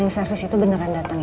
masih belum datang ini